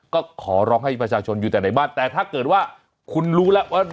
ก็ขอร้องให้ประชาชนอยู่แต่ในบ้านแต่ถ้าเกิดว่าคุณรู้แล้วว่า